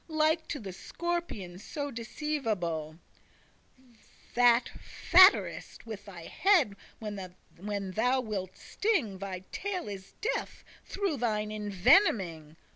Like to the scorpion so deceivable,* *deceitful That fhatt'rest with thy head when thou wilt sting; Thy tail is death, through thine envenoming.